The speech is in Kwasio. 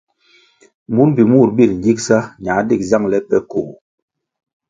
Mur mbpi mur bir gigsa ñā dig zangʼle pe koh.